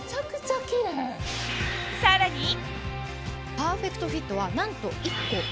パーフェクトフィットは何と。